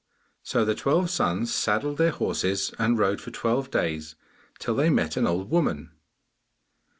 So the twelve sons saddled their horses and rode for twelve days, till they met an old woman.